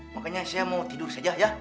makanya saya mau tidur saja ya